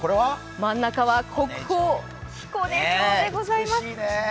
真ん中は国宝・彦根城でございます。